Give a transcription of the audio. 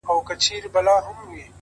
نړوم غرونه د تمي؛ له اوږو د ملایکو؛